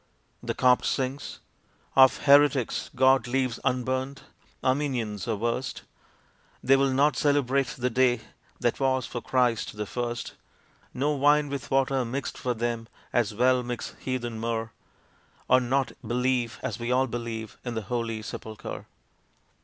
The Copt sings Of heretics God leaves unburnt, Armenians are worst, They will not celebrate the Day, that was for Christ the first. No wine with water mixed for them, as well mix heathen myrrh Or not believe, as we all believe, in the Holy Sepulchre!